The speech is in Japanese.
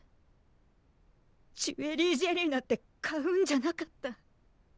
ジュエリージェリーなんて買うんじゃなかった。